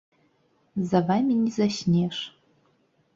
За вамі не заснеш.